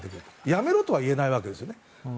やめろとは言えないわけですね。